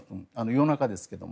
夜中ですけど。